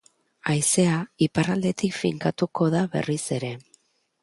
Haizea iparraldetik finkatuko da berriz ere.